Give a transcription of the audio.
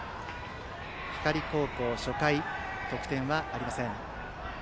光高校、初回に得点はありません。